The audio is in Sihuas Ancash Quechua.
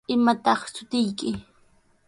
¿Imataq shutiyki?